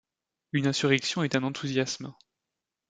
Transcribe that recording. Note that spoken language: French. Une insurrection est un enthousiasme.